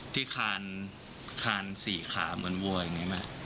ที่คลานคลานสี่ขาเหมือนวัวอย่างนี้แม่